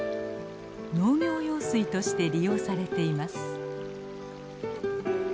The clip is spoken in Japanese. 農業用水として利用されています。